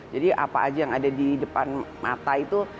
jadi apa aja yang ada di depan mata itu